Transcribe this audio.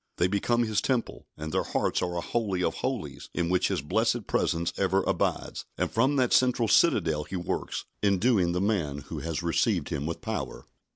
They become His temple, and their hearts are a holy of holies in which His blessed presence ever abides, and from that central citadel He works, enduing the man who has received Him with power.